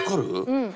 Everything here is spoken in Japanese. うん。